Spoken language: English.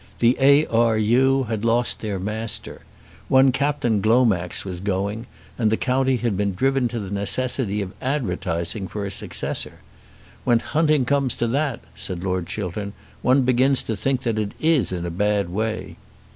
The A. R. U. had lost their Master. One Captain Glomax was going, and the county had been driven to the necessity of advertising for a successor. "When hunting comes to that," said Lord Chiltern, "one begins to think that it is in a bad way."